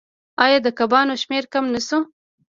آیا د کبانو شمیر کم نشو؟